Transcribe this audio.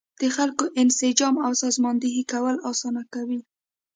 د خلکو انسجام او سازماندهي کول اسانه کوي.